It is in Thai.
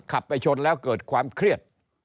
ขับไปชนแล้วเกิดความเครียด